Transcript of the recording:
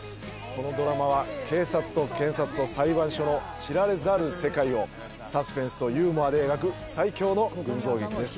このドラマは警察と検察と裁判所の知られざる世界をサスペンスとユーモアで描く最強の群像劇です。